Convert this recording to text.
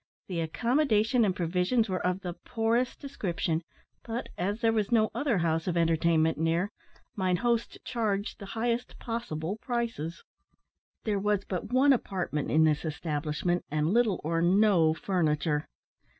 The accommodation and provisions were of the poorest description, but, as there was no other house of entertainment near, mine host charged the highest possible prices. There was but one apartment in this establishment, and little or no furniture.